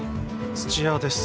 土屋です。